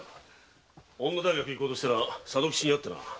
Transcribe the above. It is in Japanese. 女大学へ行こうとしたら佐渡吉に会ってな。